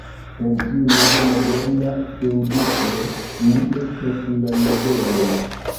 En tiu nova moderna feŭdismo ili estas la nobeloj.